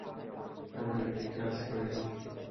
কারণ এটি কাজ করেনি।